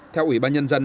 theo ủy ban nhân dân